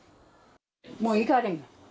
もう行かれん。